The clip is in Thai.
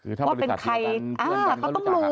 คือถ้าบริษัทเดียวกันเพื่อนกันก็รู้จักค่ะ